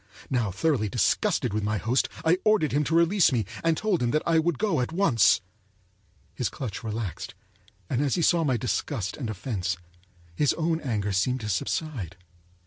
Now thoroughly disgusted with my host, I ordered him to release me, and told him I would go at once. His clutch relaxed, and as he saw my disgust and offense, his own anger seemed to subside.